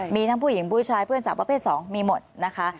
มีทั้งผู้หญิงผู้ชายเพื่อนสาวประเภท๒มีหมดนะคะ